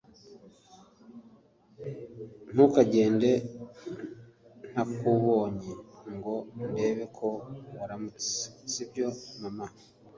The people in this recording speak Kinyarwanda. ntukagende ntakubonye ngo ndebe ko waramutse, sibyo mama!’